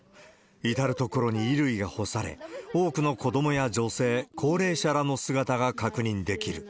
至る所に衣類が干され、多くの子どもや女性、高齢者らの姿が確認できる。